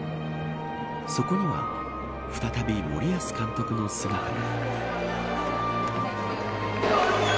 そこには再び森保監督の姿が。